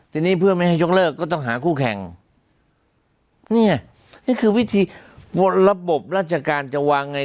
ทีนี้เพื่อไม่ให้ยกเลิกก็ต้องหาคู่แข่งเนี่ยนี่คือวิธีระบบราชการจะวางไง